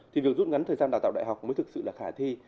thì việc rút ngắn thời gian đào tạo đại học mới thực sự là khả thi